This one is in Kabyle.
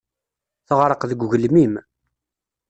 Teɣreq deg ugelmim.